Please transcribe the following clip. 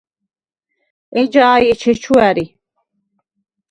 ეჯაი̄ ეჩეჩუ ა̈რი.